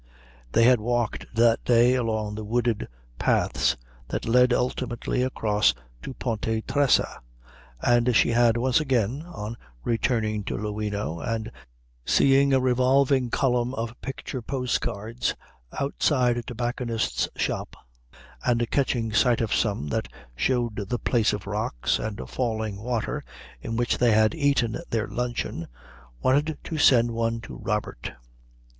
They had walked that day along the wooded paths that lead ultimately across to Ponte Tresa, and she had once again, on returning to Luino and seeing a revolving column of picture postcards outside a tobacconist's shop and catching sight of some that showed the place of rocks and falling water in which they had eaten their luncheon, wanted to send one to Robert.